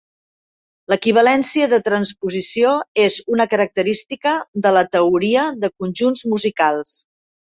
L'equivalència de transposició és una característica de la teoria de conjunts musicals.